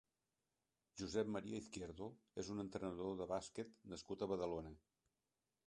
Josep Maria Izquierdo és un entrenador de bàsquet nascut a Badalona.